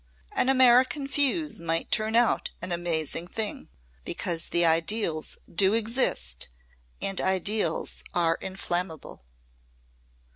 An American fuse might turn out an amazing thing because the ideals do exist and ideals are inflammable."